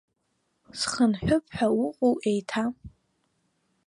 Схынҳәып ҳәа уҟоу еиҭа!